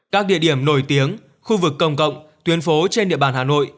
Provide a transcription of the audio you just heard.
các địa điểm nổi tiếng khu vực công cộng tuyến phố trên địa bàn hà nội